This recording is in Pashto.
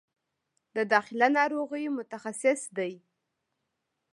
د داخله ناروغیو متخصص دی